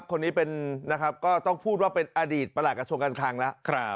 คนนี้เป็นนะครับก็ต้องพูดว่าเป็นอดีตประหลักกระทรวงการคลังแล้ว